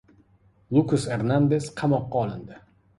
Lukas Ernandes qamoqqa olindi